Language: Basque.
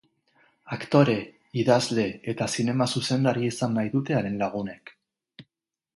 Aktore, idazle eta zinema-zuzendari izan nahi dute haren lagunek.